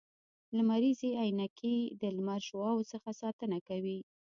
لمریزي عینکي د لمر د شعاوو څخه ساتنه کوي